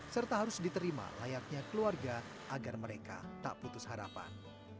serta harus diterima layaknya keluarga agar mereka tak putus harapan